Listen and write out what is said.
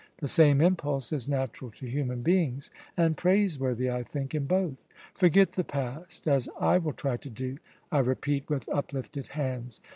The same impulse is natural to human beings, and praiseworthy, I think, in both. Forget the past, as I will try to do, I repeat with uplifted hands.